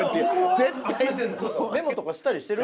メモとかしたりしてる？